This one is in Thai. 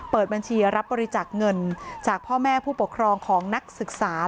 เปิดบัญชีรับบริจาคเงินจากพ่อแม่ผู้ปกครองของนักศึกษา